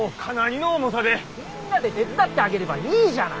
みんなで手伝ってあげればいいじゃない！